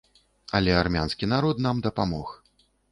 Але армянскі народ нам дапамог.